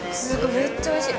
めっちゃおいしい。